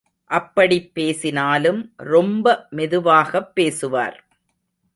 அப்படிப் பேசினாலும் ரொம்ப மெதுவாகப் பேசுவார்.